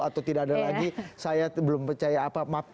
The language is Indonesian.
atau tidak ada lagi saya belum percaya apa